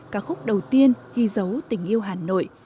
ca khúc đầu tiên ghi dấu tình yêu hà nội